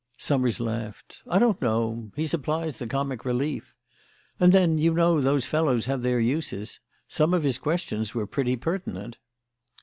Summers laughed. "I don't know. He supplies the comic relief. And then, you know, those fellows have their uses. Some of his questions were pretty pertinent."